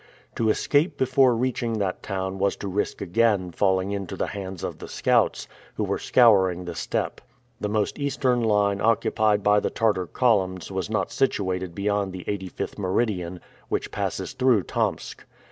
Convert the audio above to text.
To escape before reaching that town was to risk again falling into the hands of the scouts, who were scouring the steppe. The most eastern line occupied by the Tartar columns was not situated beyond the eighty fifth meridian, which passes through Tomsk.